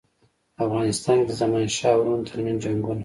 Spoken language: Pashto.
په افغانستان کې د زمانشاه او وروڼو ترمنځ جنګونه.